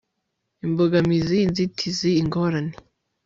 imbogamizi inzitizi, ingorane